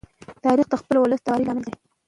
تاریخ د خپل ولس د همکارۍ لامل دی.